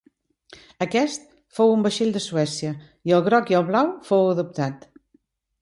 Aquest fou un vaixell de Suècia, i el groc i el blau fou adoptat.